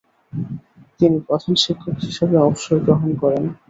তিনি প্রধানশিক্ষক হিসাবে অবসর গ্রহণ করেন।